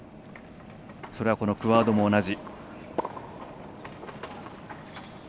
それはこのクアードも同じ。